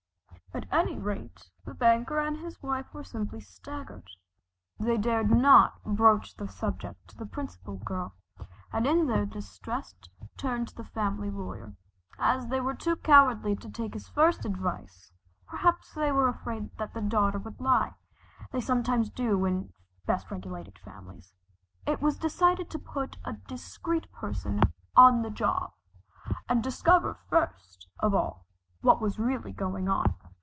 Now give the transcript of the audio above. At any rate the banker and his wife were simply staggered. They dared not broach the subject to the Principal Girl, and in their distress turned to the family lawyer. As they were too cowardly to take his first advice perhaps they were afraid the daughter would lie, they sometimes do in the best regulated families, it was decided to put a discreet person "on the job," and discover first of all what was really going on.